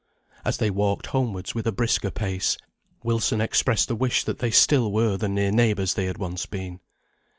As they walked homewards with a brisker pace, Wilson expressed a wish that they still were the near neighbours they once had been.